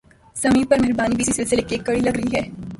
سمیع پر مہربانی بھی اسی سلسلے کی ایک کڑی لگ رہی ہے